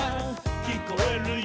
「きこえるよ」